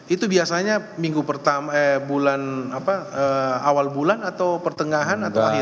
itu biasanya minggu awal bulan atau pertengahan atau akhir